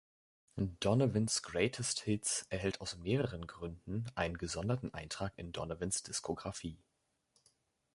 „Donovan's Greatest Hits“ erhält aus mehreren Gründen einen gesonderten Eintrag in Donovans Diskografie.